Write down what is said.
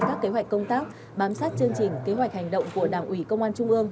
các kế hoạch công tác bám sát chương trình kế hoạch hành động của đảng ủy công an trung ương